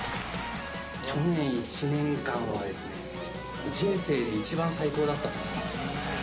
去年１年間はですね、人生で一番最高だったと思います。